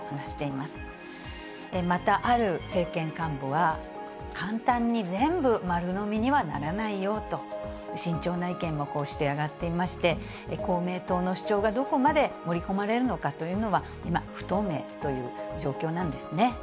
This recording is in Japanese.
またある政権幹部は、簡単に全部丸飲みにはならないよと、慎重な意見もこうして上がっていまして、公明党の主張がどこまで盛り込まれるのかというのは、今、不透明という状況なんですね。